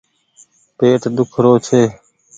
پيٽ ۮيک رو ڇي ۔